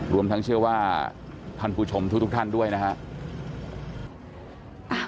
รวมทั้งเชื่อว่าท่านผู้ชมทุกท่านด้วยนะครับ